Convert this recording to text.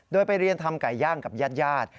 โดยไปเรียนทำไก่ย่างกับญาติ